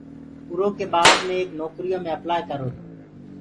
اُرو ڪي بآد مي ايڪ نوڪريٚ يو مي اپلآئي ڪررو تو۔